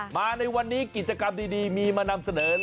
มาในวันนี้กิจกรรมดีมีมานำเสนอ